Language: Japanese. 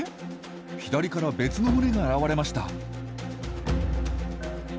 左から別の群れが現れました。